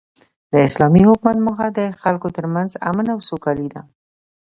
د اسلامي حکومت موخه د خلکو تر منځ امن او سوکالي ده.